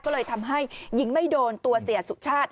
ก็เลยทำให้หญิงไม่โดนตัวเสียสุชาติ